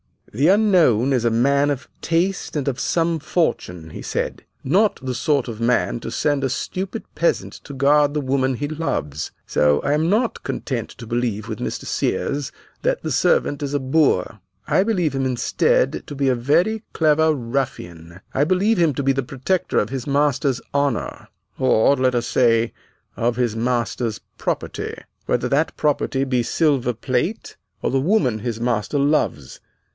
"'The unknown is a man of taste and of some fortune,' he said, 'not the sort of man to send a stupid peasant to guard the woman he loves. So I am not content to believe, with Mr. Sears, that the servant is a boor. I believe him instead to be a very clever ruffian. I believe him to be the protector of his master's honor, or, let us say, of his master's property, whether that property be silver plate or the woman his master loves.